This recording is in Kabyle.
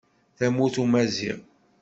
Tamurt umaziɣ.